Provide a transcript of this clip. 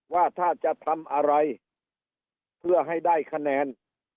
ว่าถ้าจะทำอะไรเพื่อให้ได้คะแนน